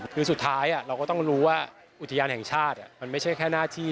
คือสุดท้ายเราก็ต้องรู้ว่าอุทยานแห่งชาติมันไม่ใช่แค่หน้าที่